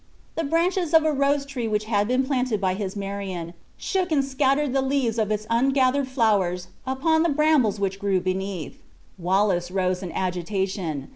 The branches of a rose tree that had been planted by his Marion, shook and scattered the leaves of its ungathered flowers upon the brambles which grew beneath. Wallace rose in agitation.